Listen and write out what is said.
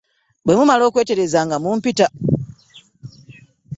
Bwe mumala okwetereeza nga mumpita.